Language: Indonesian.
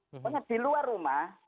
pokoknya di luar rumah